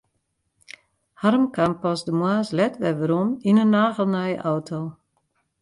Harm kaam pas de moarns let wer werom yn in nagelnije auto.